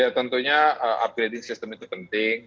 ya tentunya upgrading system itu penting